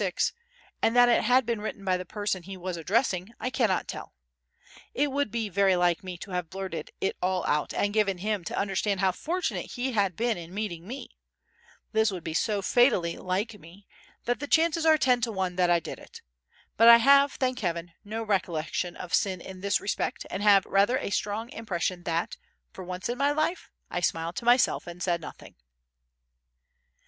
VI), and that it had been written by the person he was addressing, I cannot tell. It would be very like me to have blurted it all out and given him to understand how fortunate he had been in meeting me; this would be so fatally like me that the chances are ten to one that I did it; but I have, thank Heaven, no recollection of sin in this respect, and have rather a strong impression that, for once in my life, I smiled to myself and said nothing.